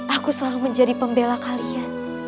aku selalu menjadi pembela kalian